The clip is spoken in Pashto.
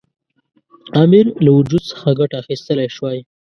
امیر له وجود څخه ګټه اخیستلای شوای.